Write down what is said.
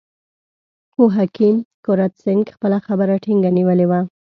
خو حکیم کرت سېنګ خپله خبره ټینګه نیولې وه.